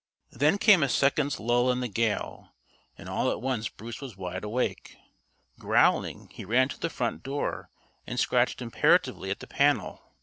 Then came a second's lull in the gale, and all at once Bruce was wide awake. Growling, he ran to the front door and scratched imperatively at the panel.